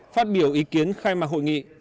phát biểu ý kiến khai mạc hội nghị